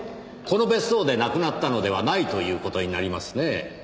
この別荘で亡くなったのではないという事になりますねぇ。